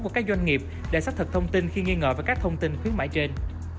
của các doanh nghiệp để xác thực thông tin khi nghi ngờ với các thông tin khuyến mại trên